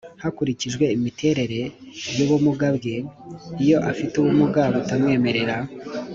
hakurikijwe imiterere y'ubumuga bwe. iyo afite ubumuga butamwemerera